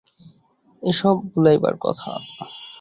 এ-সব ভোলাইবার কথা।